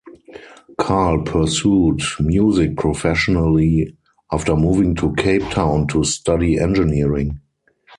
Carl pursued music professionally after moving to Cape Town to study engineering.